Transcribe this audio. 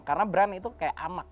karena brand itu kayak anak